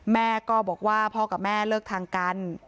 แม่ก็บอกว่าพ่อกับแม่เลิกทางกัน